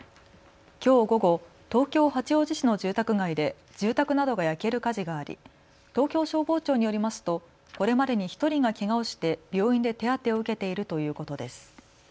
きょう午後、東京八王子市の住宅街で住宅などが焼ける火事があり東京消防庁によりますとこれまでに１人がけがをして病院で手当てを受けているということです。